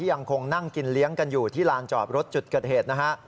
ยังคงนั่งกินเลี้ยงกันอยู่ที่ลานจอดรถจุดเกิดเหตุนะฮะ